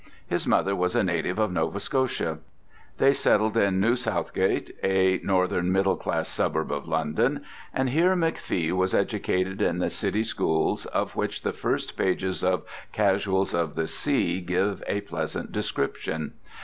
His mother was a native of Nova Scotia. They settled in New Southgate, a northern middle class suburb of London, and here McFee was educated in the city schools of which the first pages of Casuals of the Sea give a pleasant description.